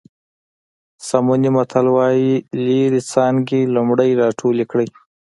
ساموني متل وایي لرې څانګې لومړی راټولې کړئ.